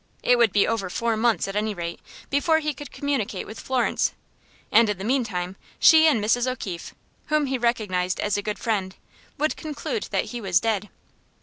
It would be over four months, at any rate, before he could communicate with Florence, and in the meantime, she and Mrs. O'Keefe, whom he recognized as a good friend, would conclude that he was dead.